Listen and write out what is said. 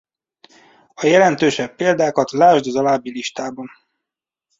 A jelentősebb példákat lásd az alábbi listában.